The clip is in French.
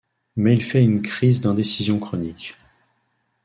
Mais il fait une crise d'indécision chronique.